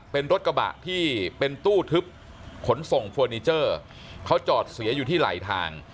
เป็นรถกระบะที่เป็นตู้ทึบขนส่งเฟอร์นิเจอร์เขาจอดเสียอยู่ที่ไหลทาง